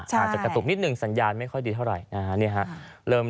อาจจะกระตุกนิดหนึ่งสัญญาณไม่ค่อยดีเท่าไหร่นะฮะ